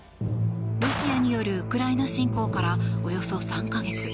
ロシアによるウクライナ侵攻からおよそ３か月。